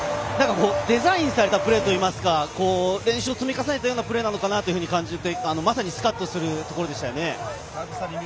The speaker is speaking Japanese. デザインされたプレーというか練習を積み重ねたプレーに感じて、まさにスカッとするところでしたよね。